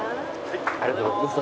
ありがとうございます。